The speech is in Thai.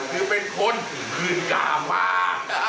คือเป็นคนคืนจ่ามา